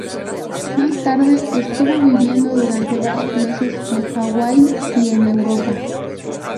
Más tarde estuvo viviendo durante varios meses en Hawaii y en Europa.